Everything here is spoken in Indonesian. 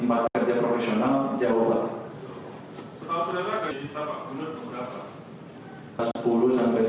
wakil juga menyehal